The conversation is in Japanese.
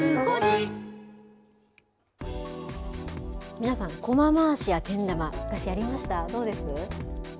皆さん、こま回しやけん玉昔やりました、どうです。